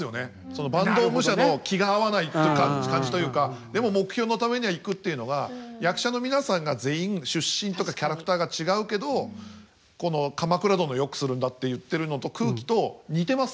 その坂東武者の気が合わない感じというかでも目標のためにはいくというのが役者の皆さんが全員出身とかキャラクターが違うけどこの「鎌倉殿」をよくするんだって言ってるのと空気と似てます。